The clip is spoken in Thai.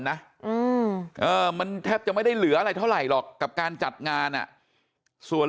นะอืมเออมันแทบจะไม่ได้เหลืออะไรเท่าไหร่หรอกกับการจัดงานอ่ะส่วน